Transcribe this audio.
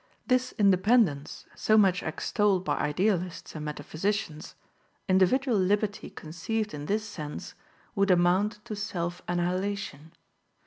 This independence, so much extolled by idealists and metaphysicians, individual liberty conceived in this sense would amount to self annihilation.